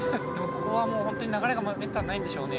ここはもうホントに流れがめったにないんでしょうね